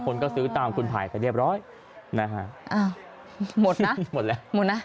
คนก็ซื้อตามคุณถ่ายไปเรียบร้อยนะฮะอ้าวหมดนะหมดแล้วหมดนะ